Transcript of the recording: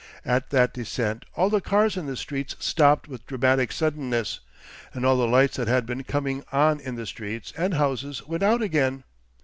At that descent all the cars in the streets stopped with dramatic suddenness, and all the lights that had been coming on in the streets and houses went out again.